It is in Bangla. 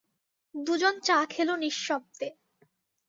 দু জল চা খেল নিঃশব্দে।